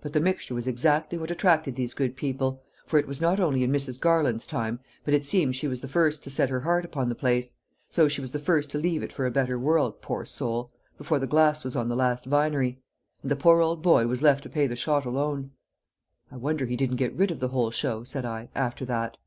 But the mixture was exactly what attracted these good people; for it was not only in Mrs. Garland's time, but it seems she was the first to set her heart upon the place. So she was the first to leave it for a better world poor soul before the glass was on the last vinery. And the poor old boy was left to pay the shot alone." "I wonder he didn't get rid of the whole show," said I, "after that."